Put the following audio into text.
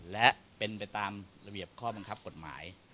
และเป็นไปตามระเบียบข้อบังคับกฎหมาย